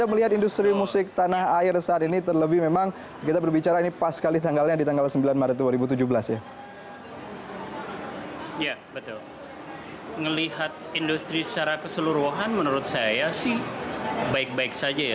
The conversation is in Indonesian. melihat industri secara keseluruhan menurut saya sih baik baik saja ya